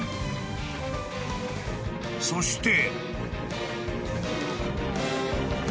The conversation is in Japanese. ［そして］